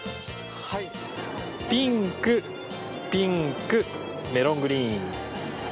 ピンク、ピンクメロングリーン。